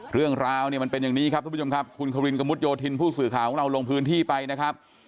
เรื่องราวเนี่ยมันเป็นอย่างนี้ครับทุกผู้ชมครับคุณควินกระมุดโยธินผู้สื่อข่าวของเราลงพื้นที่ไปนะครับ